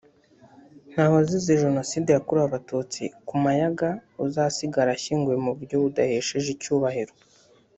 nta wazize Jenoside yakorewe Abatutsi ku Mayaga uzasigara ashyinguwe mu buryo budahesheje icyubahiro